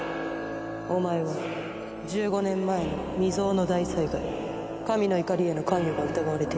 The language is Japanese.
お前は１５年前の未曽有の大災害神の怒りへの関与が疑われている。